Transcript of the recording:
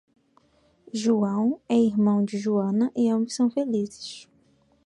João é irmão de joana e ambos são felizes